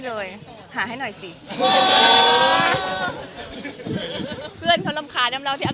โอเคค่ะขอบคุณครับหย็อด